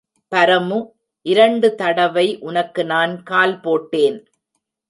பரமு, இரண்டு தடவை உனக்கு நான் கால் போட்டேன்.